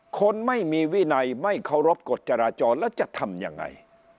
คนไม่มีวินัยไม่เคารพกฎจราจรแล้วจะทำยังไง